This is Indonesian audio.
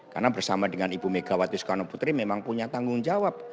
karena bersama dengan ibu mega wat yusuf kanoputri memang punya tanggung jawab